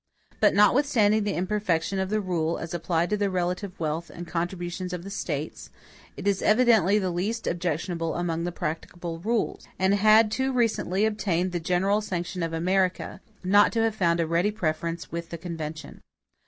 But notwithstanding the imperfection of the rule as applied to the relative wealth and contributions of the States, it is evidently the least objectionable among the practicable rules, and had too recently obtained the general sanction of America, not to have found a ready preference with the convention.